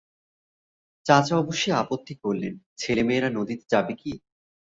চাচা অবশ্যি আপত্তি করলেন-মেয়েছেলেরা নদীতে যাবে কী?